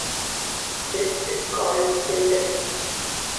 This is called filtering.